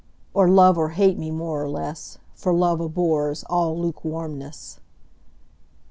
Or love or hate me more or less, 5 For love abhors all lukewarmness.